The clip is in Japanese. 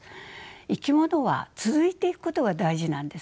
生き物は続いていくことが大事なんですよ。